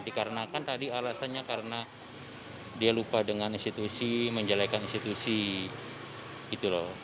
dikarenakan tadi alasannya karena dia lupa dengan institusi menjelekan institusi gitu loh